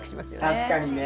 確かにね。